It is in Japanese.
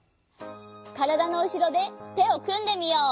からだのうしろでてをくんでみよう。